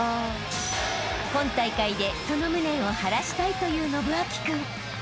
［今大会でその無念を晴らしたいという伸光君］